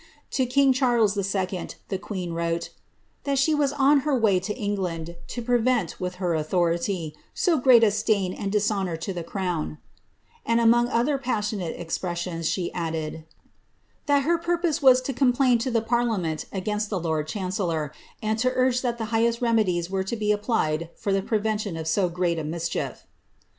To king Charles II. the queen wrote, ^ that she was on her way to England, to prevent, with her authority, so great a stain and dis honour to the crown ;" and, among other passionate expressions, she added, ^ that her purpose was to complain to the parliament against the lord chancellor, and to urge that the highest remedies were to be applied for the prevention of so g^reat a mischief."